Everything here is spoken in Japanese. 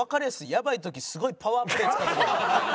やばい時すごいパワープレー使ってくる。